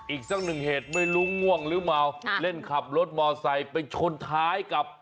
อีกสักหนึ่งเหตุไม่รู้ง่วงหรือเมาเล่นขับรถมอไซค์ไปชนท้ายกับ